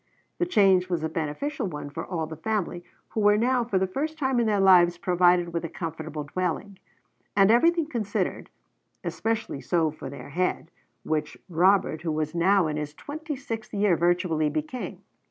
The change was a beneficial one for all the family, who were now for the first time in their lives provided with a comfortable dwelling; and everything considered, especially so for their head, which Robert, who was now in his twenty sixth year, virtually became.